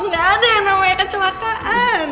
gak ada yang namanya kecelakaan